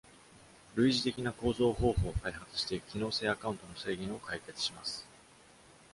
類似的な構造方法を開発して、機能性アカウントの制限を解決します。